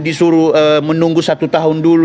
disuruh menunggu satu tahun dulu